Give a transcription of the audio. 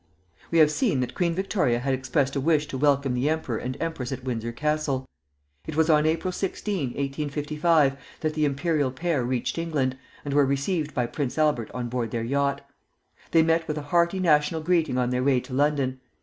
We have seen that Queen Victoria had expressed a wish to welcome the emperor and empress at Windsor Castle. It was on April 16, 1855, that the imperial pair reached England, and were received by Prince Albert on board their yacht. They met with a hearty national greeting on their way to London.